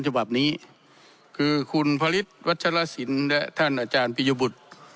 ฉบับนี้คือคุณผลิตวัชฌาสินทร์และท่านอาจารย์พิยบุตร